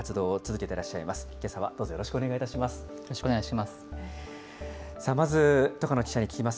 けさはどうぞよろしくお願いいたします。